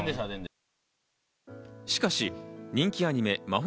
しかし人気アニメ